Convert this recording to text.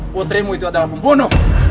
putrimu itu adalah pembunuh